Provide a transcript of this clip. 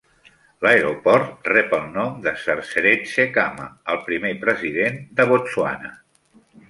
L'aeroport rep el nom de Sir Seretse Khama, el primer president del Botswana.